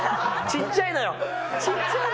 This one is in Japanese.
ちっちゃいのよ。